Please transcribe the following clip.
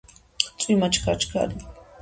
წვიმა ჩქარ ჩქარი.